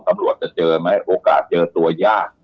ตำรวจจะเจอไหมโอกาสเจอตัวยาก